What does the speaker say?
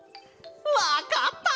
わかった！